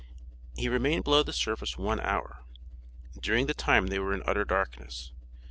He remained below the surface one hour. During the time, they were in utter darkness.